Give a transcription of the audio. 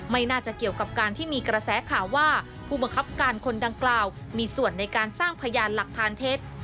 ไม่น่าจะเกี่ยวกับการที่มีกระแสข่าวว่าผู้บังคับการคนดังกล่าวมีส่วนในการสร้างพยานหลักฐานเท็จ